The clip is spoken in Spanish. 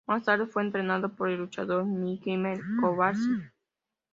Más tarde fue entrenado por el luchador Killer Kowalski.